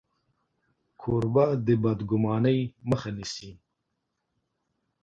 کوربه د بدګمانۍ مخه نیسي.